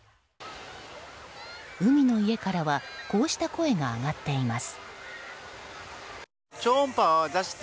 海の家からはこうした声が上がっています。